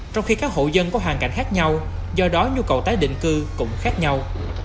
trong khi các hộ dân có hoàn cảnh khác nhau do đó nhu cầu tái định cư cũng khác nhau